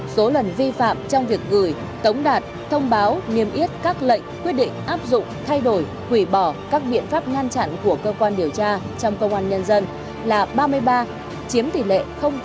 số lần vi phạm trong việc gửi tống đạt thông báo niêm yết các lệnh quyết định áp dụng thay đổi hủy bỏ các biện pháp ngăn chặn của cơ quan điều tra trong công an nhân dân là ba mươi ba chiếm tỷ lệ tám mươi